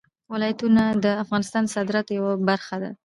ولایتونه د افغانستان د صادراتو یوه برخه ده.